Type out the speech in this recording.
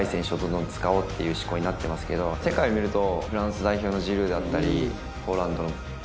世界を見ると。